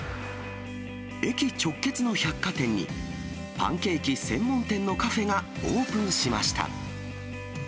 駅直結の百貨店に、パンケーキ専門店のカフェがオープンしました。